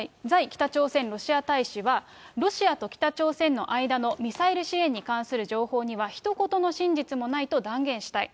北朝鮮ロシア大使は、ロシアと北朝鮮の間のミサイル支援に関する情報には、ひと言の真実もないと断言したい。